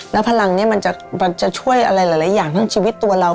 แล้วพลังนี้มันจะช่วยอะไรหลายอย่างทั้งชีวิตตัวเรา